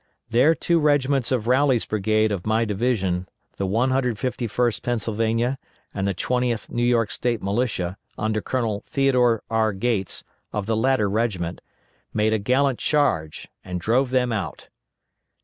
There two regiments of Rowley's brigade of my division, the 151st Pennsylvania and the 20th New York State Militia, under Colonel Theodore R. Gates, of the latter regiment, made a gallant charge, and drove them out.